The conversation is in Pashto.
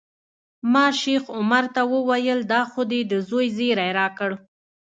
ما شیخ عمر ته وویل دا خو دې د زوی زیری راکړ.